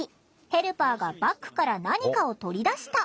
ヘルパーがバッグから何かを取り出した。